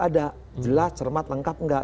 ada jelas cermat lengkap enggak